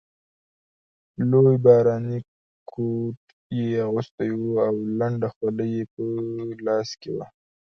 لوی باراني کوټ یې اغوستی وو او لنده خولۍ یې په لاس کې وه.